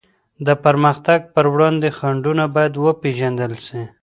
د پرمختګ په وړاندي خنډونه بايد وپېژندل سي.